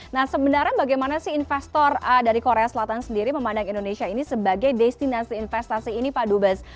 nah sebenarnya bagaimana sih investor dari korea selatan sendiri memandang indonesia ini sebagai destinasi investasi ini pak dubes